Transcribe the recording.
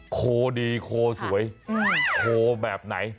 โคดีโคสวยโคแบบไหน